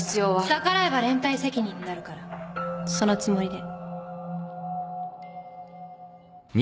逆らえば連帯責任になるからそのつもりで。